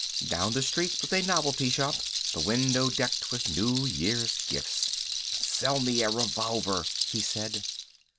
Down the street was a novelty shop, the window decked with New Year's gifts. "Sell me a revolver," he said.